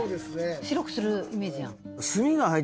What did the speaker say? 白くするイメージやん。